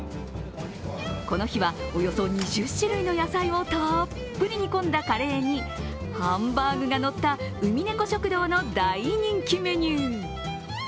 この日は、およそ２０種類の野菜をたっぷり煮込んだカレーにハンバーグが乗ったうみねこ食堂の大人気メニュー。